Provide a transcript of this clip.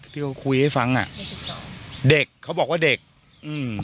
ที่เขาคุยให้ฟังอ่ะเด็กเขาบอกว่าเด็กอืม